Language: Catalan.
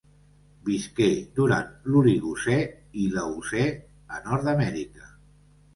Visqué durant l'Oligocè i l'Eocè a Nord-amèrica.